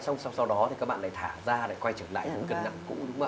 xong sau đó các bạn lại thả ra lại quay trở lại với cân nặng cũ